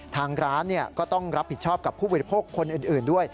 ทางร้านก็ต้องรับผิดชอบกับผู้บริโภคคนอื่นด้วย